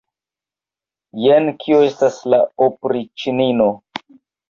Jen kio estas la opriĉnino!